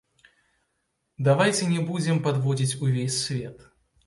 Давайце не будзем падводзіць увесь свет.